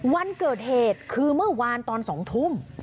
วันเกิดเหตุคือเมื่อวานตอน๒ทุ่ม